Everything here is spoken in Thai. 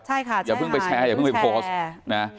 ใช่ค่ะอย่าเพิ่งไปแชร์อย่าเพิ่งไปโพสต์นะ